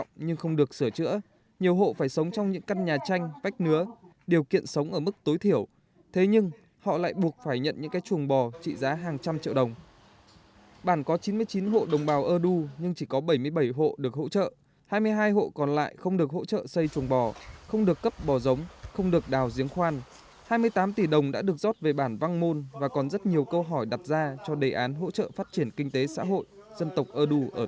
trong đề án hỗ trợ phát triển kinh tế xã hội dân tộc ơ đu tỉnh nghệ an trong số chín mươi chín hộ đủ điều kiện để chăn nuôi bò